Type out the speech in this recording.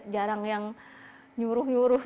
jarang yang nyuruh nyuruh